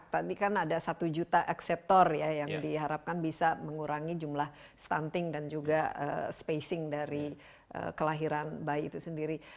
tadi kan ada satu juta akseptor ya yang diharapkan bisa mengurangi jumlah stunting dan juga spacing dari kelahiran bayi itu sendiri